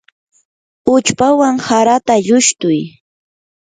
uchpawan harata llushtuy.